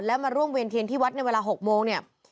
และมาร่วมเวียนเทียนที่วัดในเวลา๖โมงเนี่ย